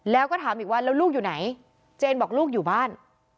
แล้วก็ถามอีกว่าแล้วลูกอยู่ไหนเจนบอกลูกอยู่บ้าน